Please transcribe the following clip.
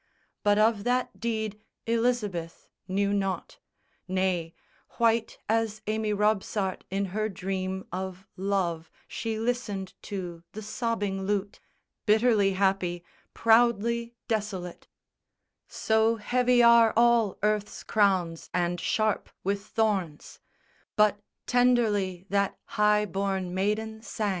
But of that deed Elizabeth knew nought; Nay, white as Amy Robsart in her dream Of love she listened to the sobbing lute, Bitterly happy, proudly desolate; So heavy are all earth's crowns and sharp with thorns! But tenderly that high born maiden sang.